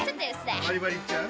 バリバリいっちゃう？